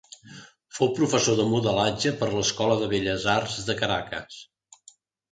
Fou professor de modelatge per l'Escola de Belles Arts de Caracas.